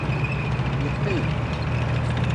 Yeqqim.